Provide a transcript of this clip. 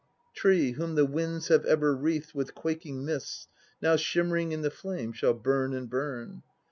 Tree, whom the winds have ever wreathed With quaking mists, now shimmering in the flame Shall burn and burn.